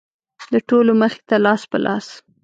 د ټولو مخې ته لاس په لاس.